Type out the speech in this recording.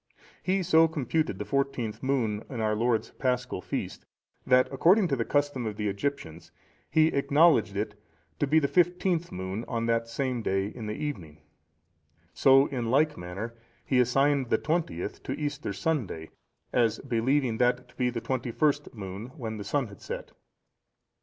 He so computed the fourteenth moon in our Lord's Paschal Feast, that according to the custom of the Egyptians, he acknowledged it to be the fifteenth moon on that same day in the evening; so in like manner he assigned the twentieth to Easter Sunday, as believing that to be the twenty first moon, when the sun had set.